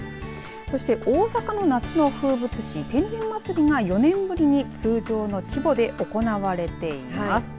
そして大阪の夏の風物詩天神祭が４年ぶりに通常の規模で行われています。